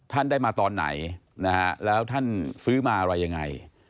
ท่านได้มาตอนไหนนะฮะแล้วท่านซื้อมาอะไรยังไง